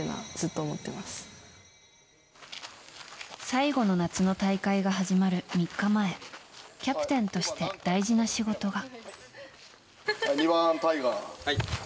最後の夏の大会が始まる３日前キャプテンとして大事な仕事が。